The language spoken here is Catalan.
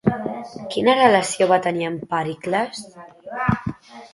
Quina relació va tenir amb Pèricles?